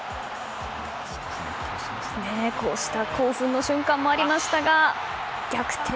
こうした興奮の瞬間もありましたが逆転